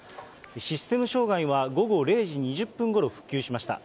システム障害は午後０時２０分ごろ復旧しました。